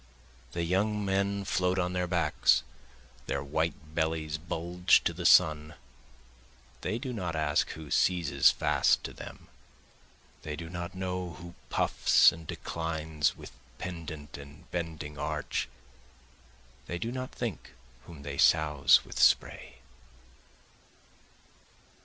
The young men float on their backs, their white bellies bulge to the sun, they do not ask who seizes fast to them, They do not know who puffs and declines with pendant and bending arch, They do not think whom they souse with spray.